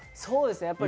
そうですね